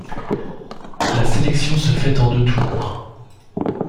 La sélection se fait en deux tours.